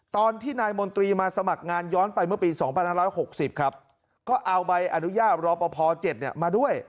ตอนที่นายมนตรีมาสมัครงานย้อนไปเมื่อปี๒๕๖๐ครับก็เอาใบอนุญาตรอปภ๗มาด้วย